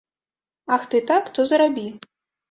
Ах ты так, то зарабі.